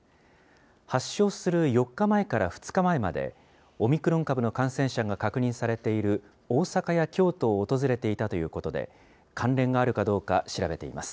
発症する４日前から２日前まで、オミクロン株の感染者が確認されている、大阪や京都を訪れていたということで、関連があるかどうか、調べています。